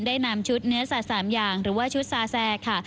ได้นำชุดเนื้อสัตว์๓อย่างหรือว่าชุดซาแซค่ะ